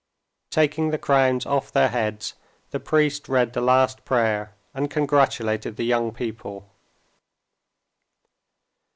Taking the crowns off their heads the priest read the last prayer and congratulated the young people.